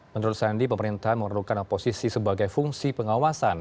menurut sandi pemerintahan memerlukan oposisi sebagai fungsi pengawasan